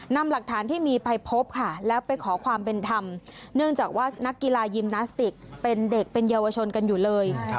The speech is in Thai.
นำหลักฐานที่มีไปพบค่ะแล้วไปขอความเป็นธรรมเนื่องจากว่านักกีฬายิมนาสติกเป็นเด็กเป็นเยาวชนกันอยู่เลย